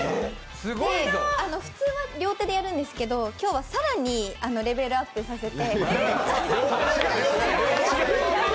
普通は両手でやるんですけど今日は更にレベルアップさせて。